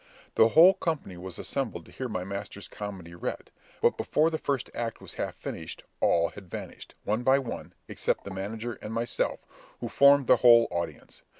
The whole company was assembled to hear my master's comedy read; but before the first act was half finished, all had vanished, one by one, except the manager and myself, who formed the whole audience.